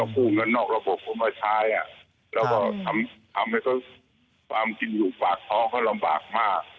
ต้องผู้เงินนอกระบบเข้ามาใช้แล้วก็ทำให้ความกินอยู่ฝากท้องก็ลำบากมาก